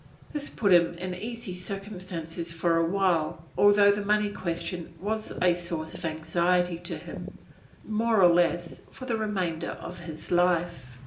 This put him in easy circumstances for a while, although the money question was a source of anxiety to him, more or less, for the remainder of his life.